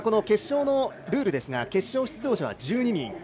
決勝のルールですが決勝出場者は１２人。